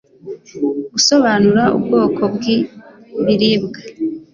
gusobanura ubwoko bwi biribwa